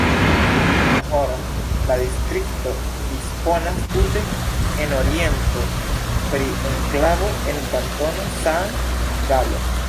Kun Horn la distrikto disponas tute en oriento pri enklavo en Kantono Sankt-Galo.